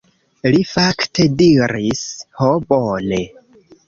Li fakte diris: "Ho, bone."